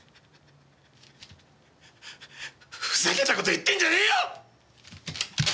ふざけた事言ってんじゃねえよ！